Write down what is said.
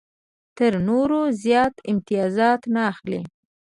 تر نورو زیات امتیازات نه اخلي.